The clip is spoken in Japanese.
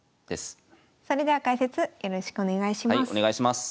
それでは解説よろしくお願いします。